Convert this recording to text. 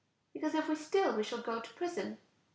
Because if we steal we shall go to prison.